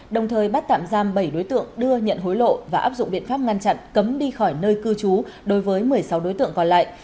đồng thời bắt tạm giam bảy đối tượng đưa nhận hối lộ và áp dụng biện pháp ngăn chặn cấm đi khỏi nơi cư trú đối với một mươi sáu đối tượng còn lại